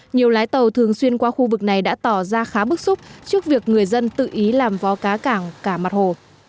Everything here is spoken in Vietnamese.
nhiều lái tàu thường xuyên qua khu vực này đã tỏ ra khá bức xúc trước việc người dân tự ý làm vo cá cảng cả mặt hồ